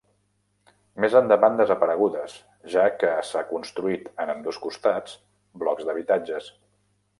Més endavant desaparegudes, ja que s'ha construït en ambdós costats blocs d'habitatges.